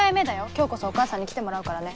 今日こそお母さんに来てもらうからね。